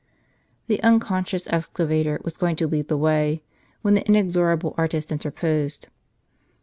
The unconscious excavator was going to lead the way, when the inexorable artist interposed.